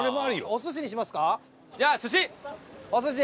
お寿司にしますか？